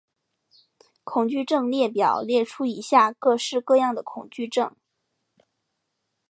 恐惧症列表列出以下各式各样的恐惧症。